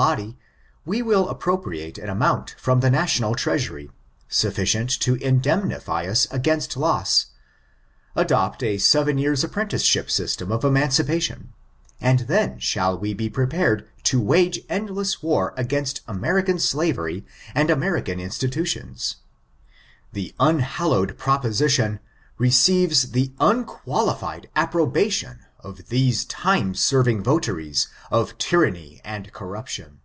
body, we will appropriate an amount (£21,000,000 or $105,000,000) from the national treasury, sufficient to indemnify us against loss^ adopt a seven years' apprenticeship system of emancipation, and then shall we be prepared to wage endless war against American slavery and American institutions. The unhallowed proposition receives the unqualified approbation of these time serving votaries of tyranny and corruption.